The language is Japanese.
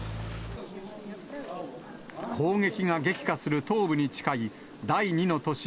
攻撃が激化する東部に近い、第２の都市